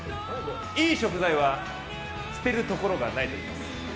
良い食材は捨てるところがないといいます。